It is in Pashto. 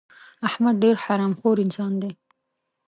احمد ډېر حرام خور انسان دی.